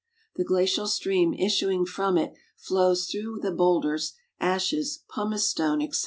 The glacial stream issuing from it flows through boulders, ashes, pumice stone, etc.